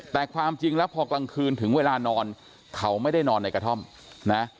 แต่ความจริงแล้วพอกลางคืนถึงเวลานอนเขาไม่ได้นอนในกระท่อมนะ